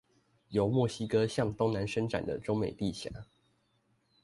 由墨西哥向東南伸展的中美地峽